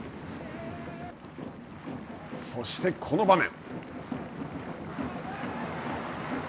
そして、この場面。